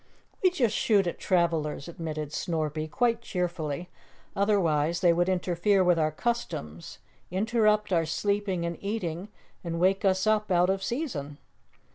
"We just shoot at travelers," admitted Snorpy, quite cheerfully. "Otherwise they would interfere with our customs, interrupt our sleeping and eating and wake us up out of season."